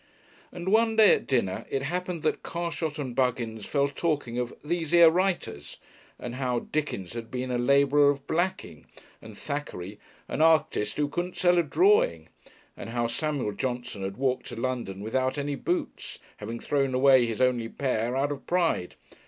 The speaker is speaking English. And one day at dinner it happened that Carshot and Buggins fell talking of "these here writers," and how Dickens had been a labeller of blacking and Thackeray "an artist who couldn't sell a drawing," and how Samuel Johnson had walked to London without any boots, having thrown away his only pair "out of pride."